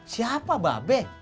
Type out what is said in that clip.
siapa mbak be